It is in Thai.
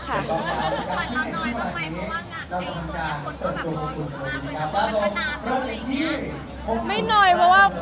ครั้งนี้ถูกใกล้มาก